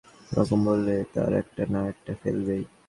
একই বিষয়ে তিনজন যদি তিন রকম বলে, তার একটা না-একটা ফলবেই।